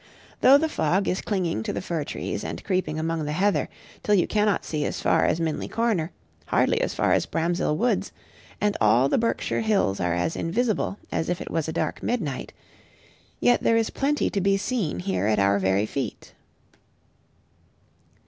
Though the fog is clinging to the fir trees, and creeping among the heather, till you cannot see as far as Minley Corner, hardly as far as Bramshill woods and all the Berkshire hills are as invisible as if it was a dark midnight yet there is plenty to be seen here at our very feet.